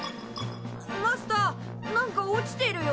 マスターなんか落ちてるよ。